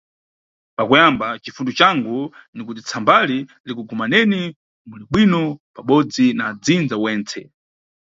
Pakuyamba, cifundo cangu ni kuti tsambali likugumaneni muli bwino pabodzi na adzinza wentse.